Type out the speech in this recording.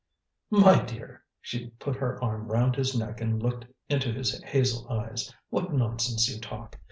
"My dear," she put her arm round his neck and looked into his hazel eyes, "what nonsense you talk.